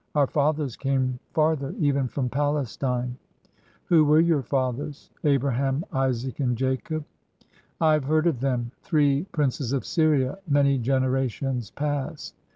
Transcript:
"Our fathers came farther, even from Palestine." "Who were your fathers?" "Abraham, Isaac, and Jacob." "I have heard of them; three princes of Syria, many generations past